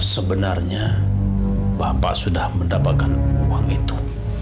sebenarnya bapak sudah mendapatkan uang itu